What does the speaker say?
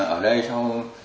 ở đây sau